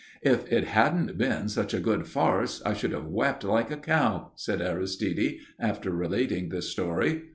"If it hadn't been such a good farce I should have wept like a cow," said Aristide, after relating this story.